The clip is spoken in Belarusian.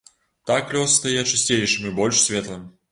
Так лес стае чысцейшым і больш светлым.